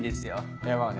いやまぁね。